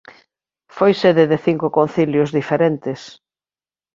Foi sede de cinco concilios diferentes.